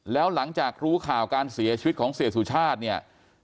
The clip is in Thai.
แล้วหลังจากรู้ข่าวการเสียชีวิตของเสียสุชาติเนี่ย